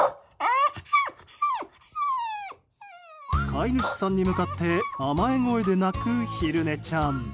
飼い主さんに向かって甘え声で鳴く、ひるねちゃん。